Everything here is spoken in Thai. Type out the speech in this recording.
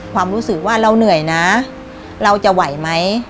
ความรู้สึกว่าเราเหนื่อยนะเราจะไหวไหม